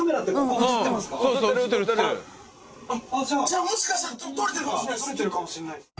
じゃあもしかしたら撮れてるかもしれないです